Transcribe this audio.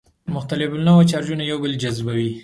مختلف النوع چارجونه یو بل جذبوي.